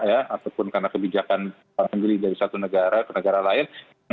ataupun karena kebijakan sendiri dari satu negara ke negara lain